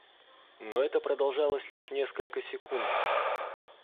Но это продолжалось лишь несколько секунд.